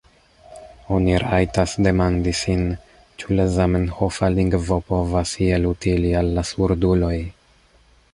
Oni rajtas demandi sin, ĉu la zamenhofa lingvo povas iel utili al la surduloj.